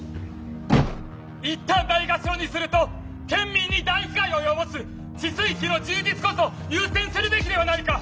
いったんないがしろにすると県民に大被害を及ぼす治水費の充実こそ優先するべきではないか！